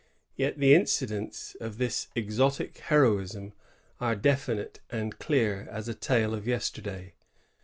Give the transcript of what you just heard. Yet the incidents of this exotic heroism are definite and clear as a tale of yesterday.